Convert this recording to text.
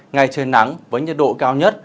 ngay trên nắng với nhật độ cao nhất